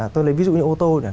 tôi lấy ví dụ như ô tô